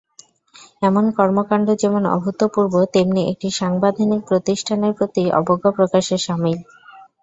এমন কর্মকাণ্ড যেমন অভূতপূর্ব, তেমনি একটি সাংবিধানিক প্রতিষ্ঠানের প্রতি অবজ্ঞা প্রকাশের শামিল।